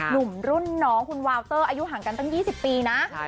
หนุ่มรุ่นน้องคุณวาวเตอร์อายุห่างกันตั้ง๒๐ปีนะ